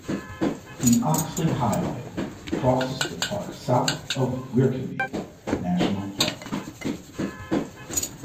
The Oxley Highway crosses the park south of Werrikimbe National Park.